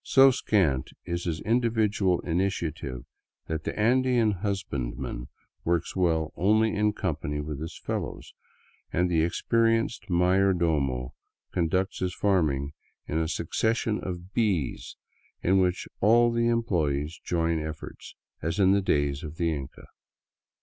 So scant is his individual initiative that the Andean husbandman works well only in company with his fellows, and the experienced mayordomo conducts his farming in a succession of " bees " in which all the employees join efforts, as in the days of the Inca.